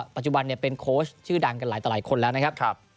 ปัจจุบันเป็นโค้ชชื่อดังกันหลายต่อหลายคนแล้วนะครับ